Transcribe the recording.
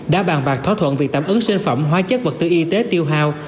đã bàn bạc thỏa thuận việc tạm ứng sinh phẩm hóa chất vật tư y tế tiêu hào